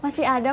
masih ada kok